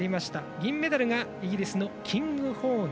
銀メダルがイギリスのキングホーン。